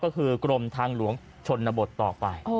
ก็คือกรมทางหลวงชนบทต่อไป